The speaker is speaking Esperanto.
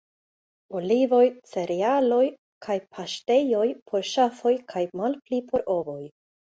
Olivoj, cerealoj kaj paŝtejoj por ŝafoj kaj malpli por bovoj.